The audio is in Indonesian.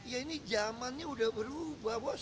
ya ini zamannya udah berubah bos